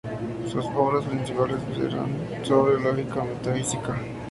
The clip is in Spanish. Sus obras principales versan sobre lógica y metafísica.